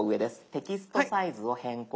「テキストサイズを変更」。